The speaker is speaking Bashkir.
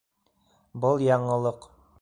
Был - яңылыҡ.